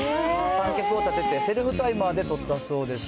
三脚を立てて、セルフタイマーで撮ったそうです。